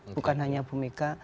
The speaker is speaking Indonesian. bukan hanya bu mega